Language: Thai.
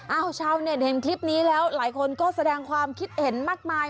ชาวเน็ตเห็นคลิปนี้แล้วหลายคนก็แสดงความคิดเห็นมากมาย